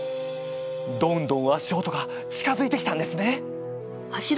どんどん足音が近づいてきたんですね。